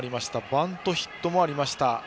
バントヒットもありました。